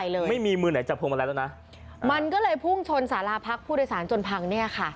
เลยไม่มีมือไหนจับพวงมาลัยแล้วนะมันก็เลยพุ่งชนสาราพักผู้โดยสารจนพังเนี่ยค่ะ